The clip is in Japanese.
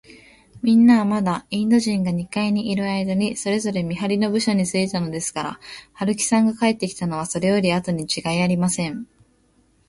みんなは、まだインド人が二階にいるあいだに、それぞれ見はりの部署についたのですから、春木さんが帰ってきたのは、それよりあとにちがいありません。